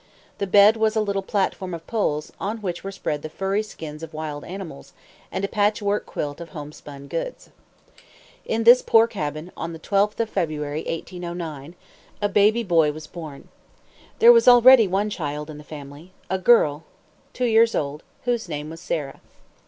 The bed was a little platform of poles, on which were spread the furry skins of wild animals, and a patchwork quilt of homespun goods. In this poor cabin, on the 12th of February, 1809, a baby boy was born. There was already one child in the family a girl, two years old, whose name was Sarah.